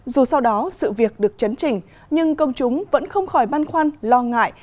dù sau đó sự việc được chấn chỉnh nhưng công chúng vẫn không khỏi băn khoăn lo ngại